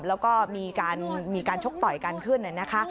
แล้วก็มีการชกต่อยกันขึ้นนะคะ